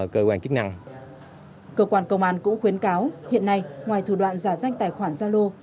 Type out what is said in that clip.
cơ quan công an cũng khuyến cáo hiện nay ngoài thủ đoạn giả danh tài khoản zalo